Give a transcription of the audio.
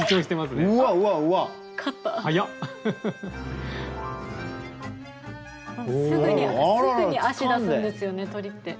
すぐに足出すんですよね鳥って。